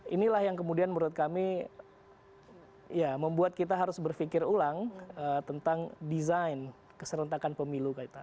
inilah yang kemudian menurut kami ya membuat kita harus berpikir ulang tentang desain keserentakan pemilu kita